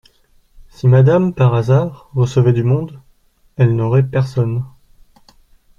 Si madame, par hasard , recevait du monde… elle n’aurait personne.